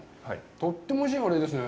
とってもおいしいカレーですね。